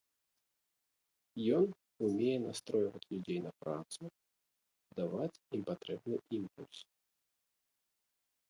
Ён умее настройваць людзей на працу, даваць ім патрэбны імпульс.